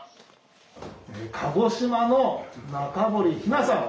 鹿児島の中堀陽菜さん。